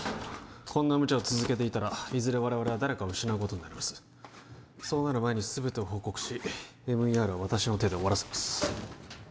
こんなむちゃを続けていたらいずれ我々は誰かを失うことになりますそうなる前に全てを報告しＭＥＲを私の手で終わらせます